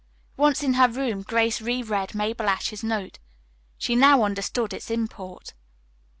Once in her room, Grace reread Mabel Ashe's note. She now understood its import.